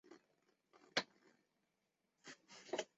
纹胸短沟红萤为红萤科短沟红萤属下的一个种。